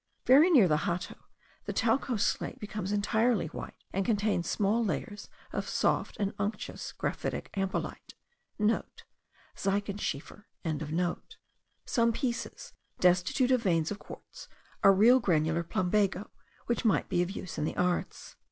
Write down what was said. Very near the Hato the talcose slate becomes entirely white, and contains small layers of soft and unctuous graphic ampelite.* (* Zeichenschiefer.) Some pieces, destitute of veins of quartz, are real granular plumbago, which might be of use in the arts.